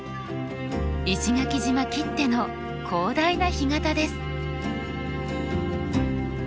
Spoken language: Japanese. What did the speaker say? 石垣島きっての広大な干潟です。